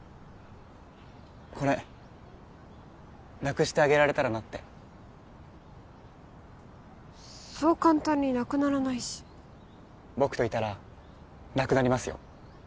これなくしてあげられたらなってそう簡単になくならないし僕といたらなくなりますよ